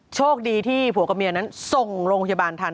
โชคดีที่ผัวกับเมียนั้นส่งโรงพยาบาลทัน